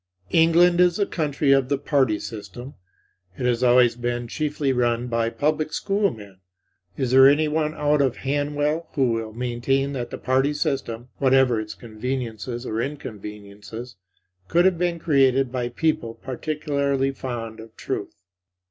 England is the country of the Party System, and it has always been chiefly run by public school men. Is there anyone out of Hanwell who will maintain that the Party System, whatever its conveniences or inconveniences, could have been created by people particularly fond of truth?